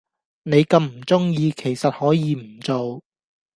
你咁唔鐘意其實可以唔做